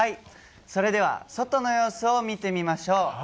それでは外の様子を見てみましょう。